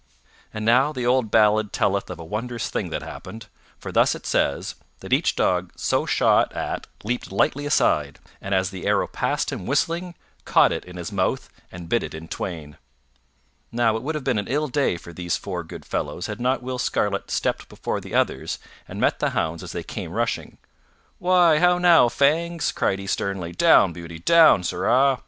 And now the old ballad telleth of a wondrous thing that happened, for thus it says, that each dog so shot at leaped lightly aside, and as the arrow passed him whistling, caught it in his mouth and bit it in twain. Now it would have been an ill day for these four good fellows had not Will Scarlet stepped before the others and met the hounds as they came rushing. "Why, how now, Fangs!" cried he sternly. "Down, Beauty! Down, sirrah!